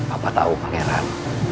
apa tau pangeran